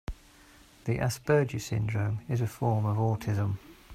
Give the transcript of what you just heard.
The Asperger syndrome is a form of autism.